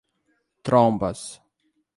Trombas